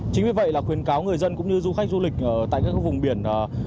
chính vì vậy là khuyến cáo người dân cũng như du khách du lịch tại các vùng biển